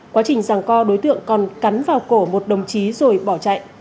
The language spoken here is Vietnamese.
quá trình giảng co đối tượng còn cắn vào cổ một đồng chí rồi bỏ chạy